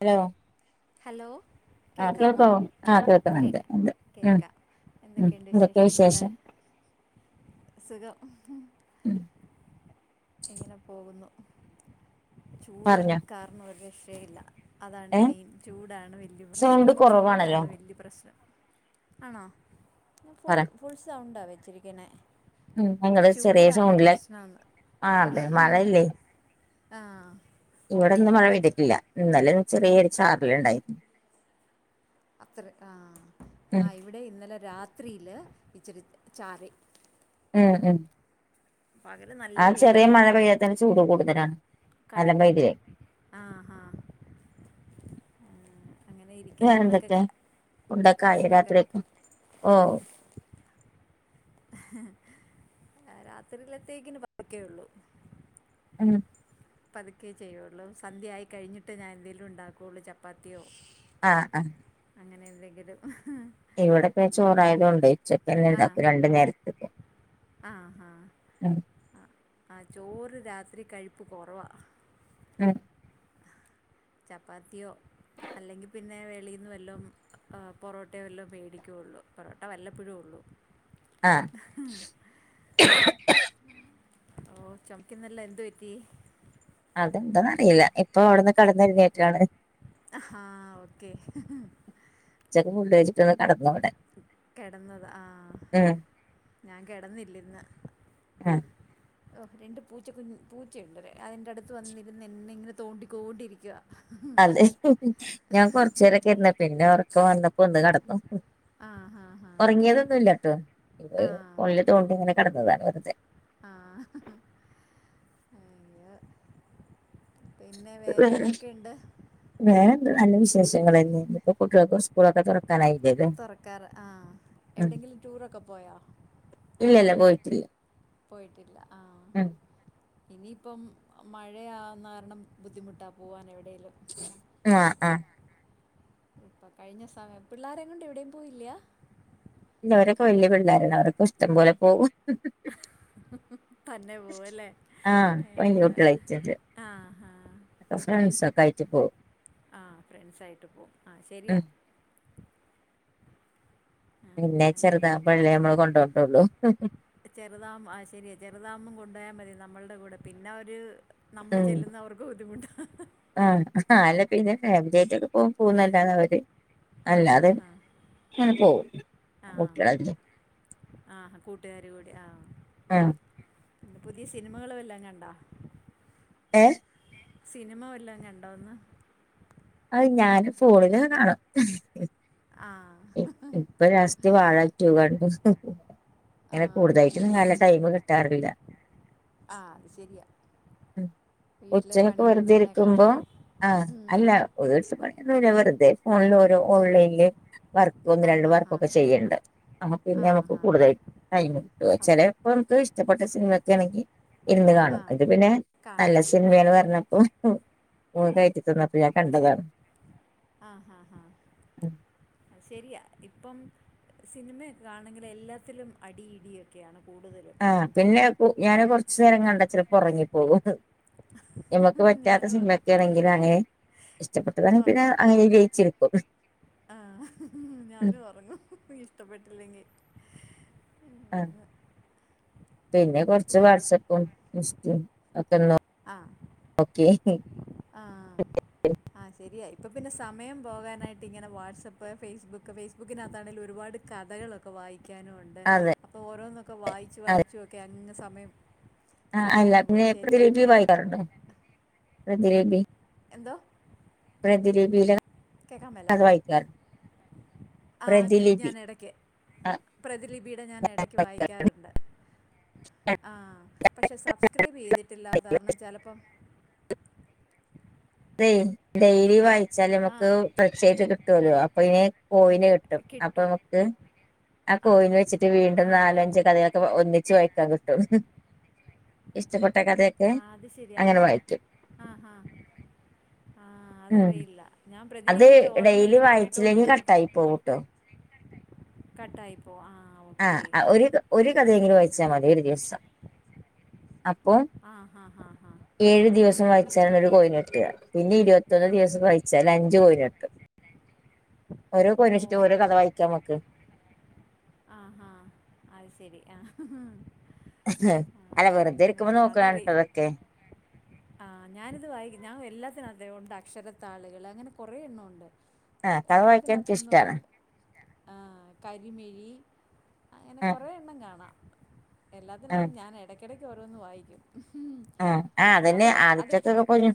Hello hello ആഹ് കേൾക്കാമോ കേൾക്കാവോ ആഹ് കേൾക്കുന്നുണ്ട് കേൾക്കാം ഉണ്ട് ഉം കേൾക്കാം ഉം എന്തൊക്കെയുണ്ട് എന്തൊക്കെയാ വിശേഷങ്ങൾ വിശേഷം സുഖം ഉം ഇങ്ങനെ പോകുന്നു ചൂട് പറഞ്ഞോ കാരണം ഒരു രക്ഷയില്ല അതാണ് ഏ മെയിൻ ചൂടാണ് വല്ല്യ പ്രശ്നം സൗണ്ട് കുറവാണല്ലോ ചൂടാണ് വല്ല്യ പ്രശ്നം. ആണോ ഞാൻ ഫുൾ പറ ഫുൾ സൗണ്ടാ വെച്ചിരിക്കണേ ഉം ഞങ്ങള് ചെറിയ ചൂടാണ് സൗണ്ടില് പ്രശ്നോന്ന് ആ അതെ ആഹ് ആഹ് ഇവിടെ ഇന്ന് മഴ പെയ്തിട്ടില്ല ഇന്നലെ ചെറിയൊര് ചാറലൊണ്ടായിന് അത്ര ആഹ് ഉം ആഹ് ഇവിടേയും ഇന്നലെ രാത്രിയില് ഇച്ചിരി ചാറി ഉം ഉം പകല് നല്ല ആ വെയിലാ ചെറിയ മഴ പെയ്യാത്തന്നെ ചൂട് കൂടുതലാണ് നല്ല കറക്റ്റ് പെയ്തില്ലേ ആഹ് ആഹ് വേറെ എന്തൊക്കെയാ ക- ഫുഡൊക്കെ ആയോ ഭക്ഷണമൊക്കെ രാത്രിയൊക്ക്‌ ഓ ആഹ് രാത്രിയിലത്തേക്കിന് പതുക്കേയുള്ളൂ ഉം പതുക്കെയെ ചെയ്യൂള്ളൂ സന്ധ്യയായി കഴിഞ്ഞിട്ടേ ഞാനെന്തേലും ഉണ്ടാക്കൂള്ളൂ ചപ്പാത്തിയോ ആഹ് ആഹ് അങ്ങനെ എന്തെങ്കിലും ഇവിടൊക്കെ ചോറായത് കൊണ്ടേ ചെ ആ തന്നെണ്ടാക്കും രണ്ട് നേരത്തേക്കും ആഹ് ചോറ് രാത്രി കഴിപ്പ് കൊറവാ ഉം ചപ്പാത്തിയോ അല്ലെങ്കിൽ പിന്നെ വെളീന്ന് വല്ലോം പൊറോട്ടയൊ വല്ലോം മേടിക്കൂള്ളൂ പൊറോട്ട വല്ലപ്പഴും ഉള്ളു ആ ഓഹ് ചൊമക്കുന്നല്ലൊ എന്ത് പറ്റി അതെന്താന്ന് അറിയില്ല ഇപ്പൊ അവിടുന്ന് കടന്നൊരു കയറ്റാണ് ആഹാ ഓക്കേ ഉച്ചക്ക് പിള്ളാര് [unintelligible] കെടന്നതാ ആ ഉം ഞാൻ കിടന്നില്ല ഇന്ന് ആഹ് ഓഹ് രണ്ട് പൂച്ച കുഞ്ഞ് പൂച്ചയുണ്ട് അതിന്റെ അടുത്ത് വന്നിരുന്ന് എന്നെ ഇങ്ങനെ തോണ്ടിക്കോണ്ടിരിക്കുവാ അതെ ഞാൻ കൊറച്ച് നേരവൊക്കെ ഇരുന്ന്‌ പിന്നെ ഒറക്കം വന്നപ്പോ ഒന്ന് കെടന്നു ആ ഹാ ഹാ ഉറങ്ങിയതൊന്നുവില്ല കേട്ടോ ആ ഇ ഫോണില് തോണ്ടി ഇങ്ങനെ കിടന്നതാ വെറുതെ ആഹ് അയ്യോ പിന്നെ വേറെ എന്തൊക്കെയുണ്ട് വേറെ നല്ല വിശേഷങ്ങൾ തന്നെയാ ഇപ്പ കുട്ടികൾക്ക്‌ സ്കൂളൊക്കെ തുറ തുറക്കാറ് ആ എവിടെയെങ്കിലും ടൂറൊക്കെ പോയോ ഇല്ല ഇല്ല പോയിട്ടില്ല പോയിട്ടില്ല ആഹ് ഉം ഇനിയിപ്പം മഴയാന്ന് കാരണം ബുദ്ധിമുട്ടാ പോവാൻ എവിടേലും ആഹ് ആഹ് ഇപ്പം കഴിഞ്ഞ സമയം പിള്ളാരേം കൊണ്ട് എവിടെയും പോയില്ല ഇല്ല അവരൊക്കെ വല്യ പിള്ളാരാണ് അവരൊക്കെ ഇഷ്ടം പോലെ പോവും തന്നെ പോവല്ലേ ആഹ് വലിയ അയ്യ കുട്ടികളായിട്ടുണ്ട് ആഹ് ഹാ ഫ്രണ്ട്സൊക്കെ ആയ്റ്റ് പോവും ആഹ് ഫ്രണ്ട്സായിട്ട് പോവും ആഹ് ശെരിയാ ഉം ആ, പിന്നെ അങ്ങനെ ചെറുതാമ്പഴല്ലേ നമ്മള് കൊണ്ടോത്തൊള്ളു ഉം ചെറുതാ ആഹ് ശെരിയ ചെറുതാമ്പോ കൊണ്ടോയാ മതി നമ്മളുടെ കൂടെ പിന്നവര് നമ്മള് ഉം ചെല്ലുന്നവർക്ക് ബുദ്ധിമുട്ട ആഹ് ആ അല്ല പിന്നെ ഫാമിലിയായിട്ടൊക്കെ പോം പോവുന്നല്ലാതെ അവര് ആ ഹാ അല്ലാതേം ഹാ അങ്ങനെ പോകും കൂട്ടുകാരായി ആഹ് കൂട്ടുകാരു കൂടി ആഹ് ആഹ് പിന്നെ പുതിയ സിനിമകള് വല്ലോം കണ്ട ഏഹ് സിനിമ വല്ലാം കണ്ടോന്ന് അത് ഞാന് ഫോണിലക്ക കാണും ആഹ് ഇപ്പൊ ലാസ്റ്റ് വഴ ടൂ [unintelligible] ആ അങ്ങനെ കൂടുതായിട്ടും നല്ല ടൈം കിട്ടാറില്ല ആഹ് അത് ശരിയാ ഉം വീട്ടിലെ ഉച്ചക്കൊക്കെ പണികൾ വെറുതെ തന്നെ ഇരിക്കുമ്പോ കാണും ആഹ് ഉം. അല്ല [unintelligible] പണിയൊന്നുമില്ല വെറുതെ ഫോണിൽ ഓരോ ഓൺലൈനില് വർക്ക് ഒന്ന് ആ രണ്ട് ഹാ ഹാ വർക്കൊക്കെ ചെയ്യണ്ട് അപ്പ പിന്നെ ആ നമുക്ക് ഹാ കൂടുതലായിട്ടും ടൈം കിട്ടൊ അപ്പ് ചെലപ്പോ നമുക്ക് ഇഷ്ടപ്പെട്ട സിനിമൊക്കെ ആണെങ്കി ഇരുന്ന് ആ കാണും അത് പിന്നെ നല്ല കാണും സിനിമന്ന് പറഞ്ഞപ്പോ മോൻ കയറ്റി തന്നപ്പോ ഞാൻ കണ്ടതാണ് ആഹ് ആഹ് ഹാ അത് ശരിയാ ഇപ്പം സിനിമ എക്കെ കാണണെങ്കിൽ എല്ലാത്തിലും അടി ഇടിയൊക്കെയാണ് കൂടുതലും ആഹ് പിന്നെ ഞാന് കൊറച്ചു നേരം കണ്ട ചിലപ്പോ ഉറങ്ങിപ്പോകും നമക്ക് പറ്റാത്ത ഞാനും സിനിമൊക്കൊണെങ്കിലാണ് ഇഷ്ടപ്പെട്ടത് ആണെ പിന്നെ അതിൽ ലയിച്ചിരിക്കും ആഹ് ഞാനും ഉറങ്ങും ഇഷ്ടപ്പെട്ടില്ലെങ്കി ആഹ് പിന്നെ കൊറച്ച് വാട്സആപ്പും ഇൻസ്റ്റേ അക്കെ നോക്കി ആഹ് ആഹ് ശരിയ ഇപ്പൊ പിന്നെ സമയം പോകാനായിട്ട് ഇങ്ങനെ വാട്സപ്പ് ഫേസ്ബുക്ക് ഫേസ് ബുക്കിനകത്താണേലും ഒരുപാട് കഥകളൊക്കെ വായിക്കാനും ഉണ്ട് ണ്ട് അതെ അപ്പോ ഓരോന്നൊക്കെ വായിച്ച് വായിച്ചുവൊക്കെ അങ്ങ് സമയം ആഹ് സമയം അല്ല പോകും പിന്നെ ശരിയാ അത് പ്രതിലിബി വായിക്കാറുണ്ടോ പ്രതിലിബി എന്തോ പ്രതിലിപി യില കേൾക്കാൻ അത് വായിക്കാറുണ്ടോ ആഹ് പ്രതിലിപി ഞാൻ എടയ്ക്ക് ആ പ്രതിലിപിയുടെ ഞാൻ ഇടയ്ക്ക് വായിക്കാറുണ്ട് ആഹ് പക്ഷെ സബ്സ്ക്രൈബ് ചെയ്തിട്ടില്ലാത്ത കാരണം ചിലപ്പം ഇതെ ഡെയ്ലി വായിച്ചാല് ആ നമുക്ക് [unintelligible] ആയിട്ട് കിട്ടുവല്ലോ അപ്പൊ ഇനി കോയിന് കിട്ടും അപ്പൊ നമുക്ക് ആ കോയിന് വെച്ചിട്ട് ആ വീണ്ടും നാല അഞ്ച് കഥകൾ ഒന്നിച്ച് വായിക്കാൻ കിട്ടും ഇഷ്ടപ്പെട്ട കഥയൊക്കെ അങ്ങനെ വായിക്കും ആഹ് ഹ ഹ ആഹ് ഉം അതറിയില്ല ഞാൻ പ്രതിലിപിയിലേ ഒരെണ്ണ ഇങ്ങനെ കേട്ടോണ്ടിരിന്ന് പ്പോകട്ടോ കട്ടായിപ്പോം ആഹ് ഓക്കെ ആഹ് ഒരു ഒരു കഥയെങ്കിലും വായിച്ചാ മതി ഒരു ദിവസം ആഹ് ഹ ഹ ഹ ഹ ഏഴ് ദിവസം വായിച്ചാല് ഒരു കോയിനിട്ടുക പിന്നെ ഇരുപത്തൊന്ന് ദിവസം വായിച്ചാൽ അഞ്ച് കോയിന്ട്ടും ഉ ഓരോ കോയിനെച്ചിട്ട് ഓരോ കഥ വായിക്കാം നമക്ക് ആഹ് ഹ അത് ശെരി അല്ല വെറുതെ ഇരിക്കുമ്പോ നോക്കലാണ് ട്ടൊ ഇതൊക്കെ ആ ആഹ് ഞാനിത് വായി ഞാൻ എല്ലാത്തിനും അത് ഉണ്ട് അക്ഷരത്താളുകൾ അങ്ങനെ കൊറെ എണ്ണം ഒണ്ട് ആ കഥ വായിക്കാൻ എനിക്ക് എല്ലാത്തിനകത്തന്നും ഇഷ്ടാണ് ആഹ് കരിമിഴി അങ്ങനെ ഉം കൊറേ എണ്ണം കാണാം ഉം എല്ലാത്തിനകത്ത് ഞാൻ ഇടയ്ക്കിടയ്ക്ക് ഓരോന്ന് വായിക്കും ആഹ് ആഹ് അതന്നെ അത് ക- അത് ആദ്യത്തക്കൊക്കെ പൊഴിഞ്ഞു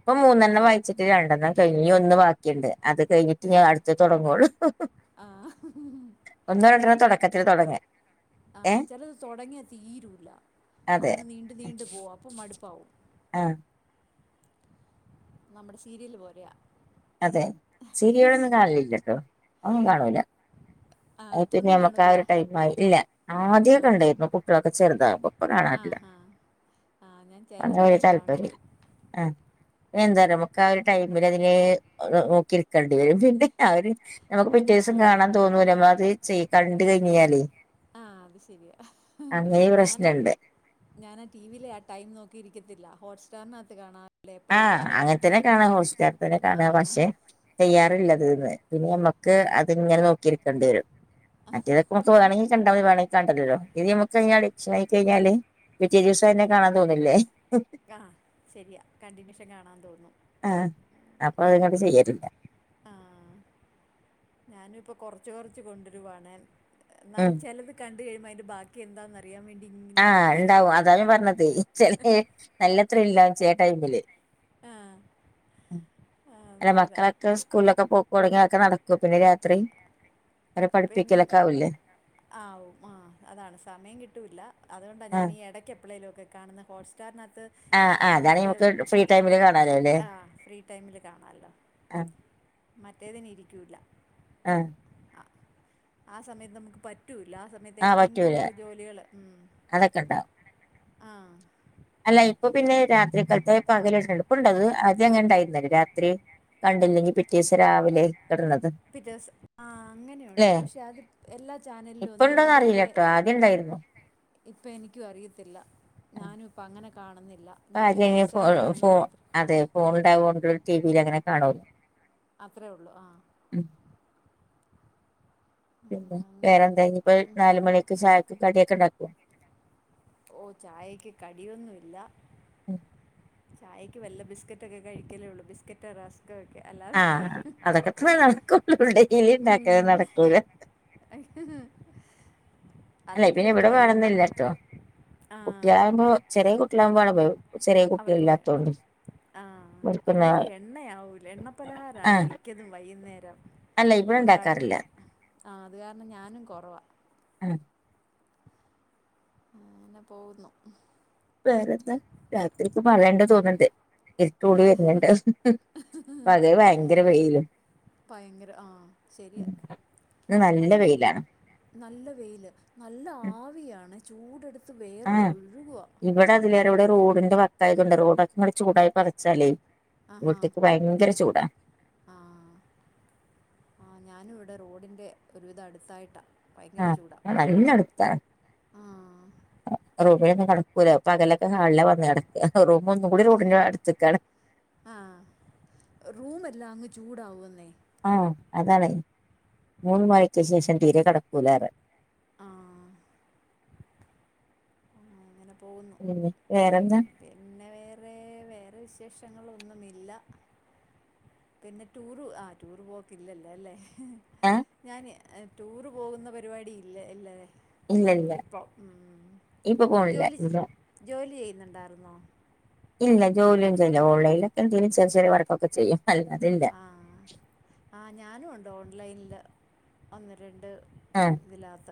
ഇപ്പൊ മൂന്നെണ്ണം വായിച്ചിട്ട് രണ്ടെണ്ണം കഴിഞ്ഞി ഒന്ന് ബാക്കിണ്ട് അത് കഴിഞ്ഞിട്ട് ഞാൻ അടുത്ത തൊടങ്ങുവോള് ആഹ് ഓ ചെ തുടക്കത്തിൽ തുടങ്ങ ഏ ആഹ് ചിലത് തുടങ്ങിയാ തീരൂല്ല അതെ അങ്ങ് നീ നീണ്ടു പോകും അപ്പം മടുപ്പാവും ആഹ് നമ്മുടെ സീരിയല് പോരെയ അതെ സീരിലൊന്നും കാണലല്ലട്ടൊ അതോന്നും കാണൂല ആ, അത് പിന്നെ ഒന്നും നമ്മക്ക് ആ കാണൂല ഒരു ടൈമായി ഇല്ല ആ ആദ്യമൊക്കെ ഉണ്ടായിരുന്നു കുട്ടികളൊക്കെ ചെറുതായപ്പം ഇപ്പ ആ കാണാറില്ല ഹാ ആ ഞാൻ അങ്ങനൊരു ചിലതൊക്കെ കാണും താല്പര്യ ആ എന്താറിയോ നമുക്ക് ആ ഒരു ടൈമിൽ അതിനെ നോക്കിരിക്കേണ്ടി വരും പിന്നെ അവര് നമുക്ക് പിറ്റേ ആ ദിവസം കാണാൻ തോന്നൂല നമ്മ അത് ചെയ് കണ്ട് കഴിഞ്ഞാലേ ആഹ് അവി അങ്ങനേരു പ്രശ്നുണ്ട് ഞാൻ ആ ടിവിൽ ആ ടൈം നോക്കി ഇരിക്കത്തില്ല ഹോട്ട്സ്റ്റാറിനകത്ത് കാണാ ആഹ് അങ്ങനെ തന്നെ കാണാ ഹോസ്റ്റാർ തന്നെ ആ കാണാ പക്ഷെ തയ്യാറുള്ളത് ന്ന് പിന്നെമ്മ ക്ക് ആ അതിങ്ങനെ നോക്കിരിക്കേണ്ടിരും മറ്റേതൊക്കെമ്മക്ക് വേണെങ്കി കണ്ടാ മതി വേണ്ടങ്കി കണ്ടേലല്ലോ ഇത് നമുക്കെയിഞ്ഞാൽ അഡിഷനായി കയിഞ്ഞാല് പിറ്റേ ദിവസം അയന്നെ കാണാൻ തോന്നില്ലേ ആഹ് ശരിയാ കണ്ടിന്യൂഷൻ കാണാൻ തോന്നും ആഹ് അപ്പൊ അത്ങ്ങോട്ട് ചെയ്യലില്ല ആഹ് ഞാനും ഇപ്പോ കൊറച്ച് കൊറച്ച് കൊണ്ടുരുവാണേ എന്നാൽ ഉം ചെലത് കണ്ട് കഴുയുമ്പം അതിന്റെ ബാക്കി എന്താന്ന് അറിയാൻ വേണ്ടി ഇങ്ങനെ നോക്കാ ഓ അതാ ഞാൻ പറഞ്ഞതേ ചെലേ നല്ലത്രില്ലാണ് ചെല ടൈമില് ആ ആ, അല്ല നേരാ മക്കളൊക്കെ സ്കൂളിലൊക്കെ പോ ലൊടങ്ങിയാൽ അതൊക്കെ നടക്കോ പിന്നെ രാത്രി അവരെ പിന്നെ പഠിപ്പിക്കലൊക്കെ ആവില്ലേ ആവും ആഹ് അതാണ് സമയം കിട്ടൂല്ല അതുകൊണ്ടാ ഞാൻ ആഹ് ഈ ഇടയ്ക്കെപ്പളേലൊക്കെ കാണുന്ന ഹോട്ട് സ്റ്റാറിനകത്ത് ആഹ് ആഹ് അതാണ് നമുക്ക് ഫ്രീ ടൈമില് കാണാലോല്ലേ ആ ഫ്രീ ടൈമിൽ കാണാമല്ലോ ആഹ് മറ്റേതിന് ഇരിക്കൂല്ല ആഹ് ആ സമയത്ത് നമുക്ക് പറ്റൂല്ല ആ സമയത്ത് എന്തെങ്കിലൊക്കെ ജോലികള് ഉം അതൊക്കെണ്ടോ ആഹ് അല്ല ഇപ്പൊ പിന്നെ രാത്രിക്കൽത്തെ പകലെന്നെപ്പുണ്ടത് ആദ്യം അങ്ങനെണ്ടായിരുന്നല്ലേ രാത്രി കണ്ടില്ലെങ്കിൽ പിറ്റേ ദിവസം രാവിലെ ഇടണത് പിറ്റേസം ആഹ് അങ്ങനെയുണ്ട് പക്ഷെ അത് എല്ലാ ചാനലിലും ഒന്നും ഇല്ല അത് ആദ്യണ്ടായിരുന്നു ഇപ്പം എനിക്കും അറിയത്തില്ല ഞാനും ഇപ്പോം അങ്ങനെ കാണുന്നില്ല ഇപ്പൊ ഞാനീ ഹോട്ട് ആദ്യം ഫോ സ്റ്റാറിൽ കാണുന്ന ഫോ മാത്രം അതെ ഫോൺ ഉണ്ടാവുകൊണ്ട് ടിവീലങ്ങനെ കാണൂല അത്രേ ഉള്ളൂ ആഹ് ഉം ആ, പിന്നെ വേറെ അങ്ങനെ എന്താ ഇഞ്ഞിപ്പൊ ഉം. നാലുമണിക്ക് ചായക്ക് കടിയൊക്കെ ഇണ്ടാക്കോ ഓഹ് ചായക്ക് കടിയൊന്നുല്ല ഉം ചായയ്ക്ക് വല്ല ബിസ്ക്കറ്റൊക്കെ കഴിക്കലേള്ളൂ ബിസ്ക്കറ്റ് റസ് ക്കൊക്കെ അല്ലാ ആഹ് അതൊക്കെത്ര നടക്കൂള്ളൂ ഡെയിലി ഇണ്ടാക്കല് ഉം. നടക്കൂല [unintelligible] അല്ലേ പിന്നെ ഇവിടെ എന്തുവാ എണ്ണ വേണന്നില്ലട്ടോ ആ കുട്ടികളാവുമ്പോ ചെറിയ കുട്ടികളാവുമ്പോ ചെറിയ കുട്ടികളില്ലാത്തോണ്ട് ആഹ് വെറുക്കുന്ന അല്ലേലും എണ്ണയാവൂല എണ്ണ പലഹാരാണ് ആഹ് മിക്ക ക്കതും വൈകുന്നേരം അല്ല ഇവിടെ ഉണ്ടാക്കാം ഉണ്ടാക്കാറില്ല ആഹ് അത് കാരണം ഞാനും കൊറവാ ഉം അങ്ങനെ പോവുന്നു വേറെന്താ രാത്രിക്ക് മഴയുണ്ട് തോന്ന്ണ്ട് ഇരുട്ടൂടി വരുണ് ണ്ട് പകല് ഭയങ്കര വെയിലും ഭയങ്കര ആഹ് ശരിയാ ഉം. ഇന്ന് നല്ല അതും വെയിലാണ് നല്ല വെയില് നല്ല ആവിയാണ് ചൂടെടുത്ത് ആഹ് വേർത്തൊഴുകുവാ ഇവിടെ അതിലേറെ ഇവിടെ റോഡിന്റെ വക്കായതോണ്ട് റോഡൊക്കെ ചൂടായി പറച്ചാലേ വീട്ട്ക്ക് ഭയങ്കര ചൂടാ ആഹ് ആഹ് ഞാനും ഇവിടെ റോഡിൻ്റെ ഒരുവിധം അടുത്തായിട്ടാ ആഹ് ആഹ് നല്ലടുത്താ ആ റൂമിലൊന്നും കട ക്കൂല പകലൊക്കെ ഹാളിലാ വന്ന് കെടക്കാ റൂം ഒന്നും കൂടി റോഡിന്റെ അടുത്ത്ക്കാണ് ആഹ് റൂമേല്ലാം അങ്ങ് ചൂടാവുന്നേ ആഹ് അതാണ് മൂന്ന് മണിയ്ക്ക് ശേഷം തീരെ കിടക്കൂലാ പറയാ ആഹ് അങ്ങനെ പോകുന്നു പിന്നെ വേറെന്താ പിന്നെ വേറെ വേറെ വിശേഷങ്ങളൊന്നുമില്ല പിന്നെ ടൂറ് ആഹ് ടൂറ് പോക്കില്ലല്ലോ അല്ലേ ആഹ് ഞാന് ടൂറ് പോകുന്ന പരിപാടി ഇല്ല ഇല്ല ല്ലേ ഇല്ല ഇല്ല ഇപ്പൊ ഉം ഇപ്പൊ പോണില്ല ജോലി ഇല്ല ജോലി ചെയ്യുന്നുണ്ടായിരുന്നോ ഇല്ല ജോലിയൊന്നും ചെയ്യില്ല ഓൺലൈൻലൊക്കെ എന്തെലും ചെറിയ ചെറിയ വർക്കൊക്കെ ചെയ്യും അല്ലാതില്ല ആഹ്. ആഹ് ഞാനും ഉണ്ട് ഓൺലൈനില് ഒന്ന് രണ്ട് ആഹ്. ഇതില്ലാത്ത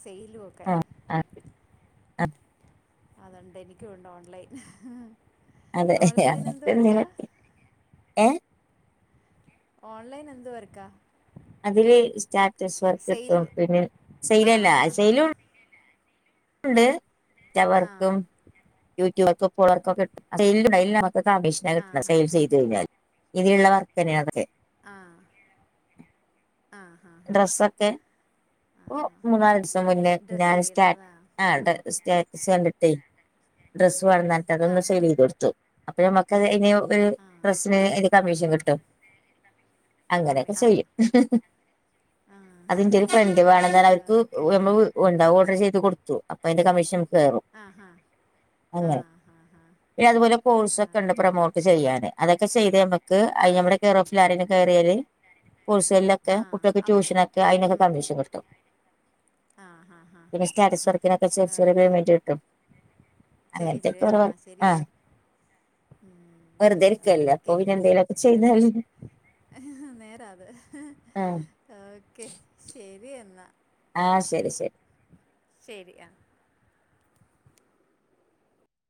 സെയിലു ഒക്കെ ആഹ് ആഹ് ആഹ് അതുണ്ട് എനിക്ക്യു ഉണ്ട് ഓൺലൈൻ. അതെ അങ്ങ ഓൺലൈൻ ത്തെ എന്തുവാ എന്തെലും എടുക്കാ ഒക്കെ. ഏഹ്? ഓൺലൈൻ എന്ത് വർക്കാ? അതില് സ്റ്റാറ്റസ് വർക്ക് സെയില് ട്ടും. പിന്നെ ആ സെയിലല്ലാ ഹാ ഹാ സെയിലൂ ണ്ട്. റ്റ ആ വർക്കും യൂട്യൂബർക്കും ഫോളോ വർക്കും [unintelligible] ഇതൊക്കെ അഡീഷ്ണൽ ആ കിട്ട്ണാ ഹാ സെയിൽ ചെയ്ത് കഴിഞ്ഞാൽ. ഇതില്ള്ള വർക്കന്നേണതൊക്കെ. ആഹ് ആഹ്. ഡ്രസ്സൊക്കെ ഇപ്പൊ മൂന്നാല് ദിവസം മുന്നേ ഡ്രസ്സ് ഞാൻ സ്റ്റാ ചെയ്യുന്നതാ ആഹ് ഉം ഡ സ്റ്റാ റ്റസ് കണ്ടിട്ടേ ഡ്രസ്സ് വേണംന്നറഞ്ഞിട്ട് ആ അതൊന്ന് ഹാ സെയിൽ ചെയ്ത് കൊടുത്തു. അപ്പൊ നമ്മക്കത് അയ്ന് ഒരു ആ ഡ്രസിന് അയിൻ്റെ കമ്മീഷൻ കിട്ടും. കമ്മി അങ്ങനെയൊക്കെ ആ ചെയ്യും. ആ അതിൻ്റൊരു ഫ്രെണ്ട് വേണംന്ന്‌ പർഞ്ഞ് അവർക്ക് ഓക്കെ ഞമ്മള് വ് എന്താ ഓർഡർ ചെയ്ത് കൊട്ത്തു. അപ്പയ്ന്റെ കമ്മീഷൻ കയറും ആഹ് ഹാ ആ അങ്ങനെ. ഹാ ഹാ പിന്നതുപോലെ കോഴ്സ് ആ ഒക്കെണ്ട് അങ്ങനെ പ്രൊമോട്ട് ചെയ്യാന്. അതൊക്കെ ചെയ്ത് നമ്മക്ക് ആ അയ്ന് നമ്മടെ കെയർ ഓഫ്‌ല് ആരേലും കേറിയാല് കോയ്‌സെയിലൊക്കെ ആ കുട്ട്യേക്ക് അവർക്ക് ട്യൂഷനൊക്കെ അയ്നൊക്കെ കമ്മീഷൻ കിട്ടും. ആഹ് ഹാ ഹാ. പിന്നെ സ്റ്റാറ്റസ് വർക്കിനൊക്കെ ചെറ് ചെറ്യേ ഓക്കെ പയ്മെന്റ് കിട്ടും. ശരി ശരി അങ്ങൻത്തെക്കെ ആ ഓരോ വർ, ശരിയാ ആഹ് ഉം വെറുതെ ഇരിക്കല്ലെ അപ്പോ ഓക്കെ പിന്നെ എന്തേലൊക്കെ വെറുതെ ചെയ്താല്. നേരാ അത്. ആഹ് ഓക്കെ, ശരിയെന്നാ. ആഹ് ശരി ശരി. ശരി ആഹ്.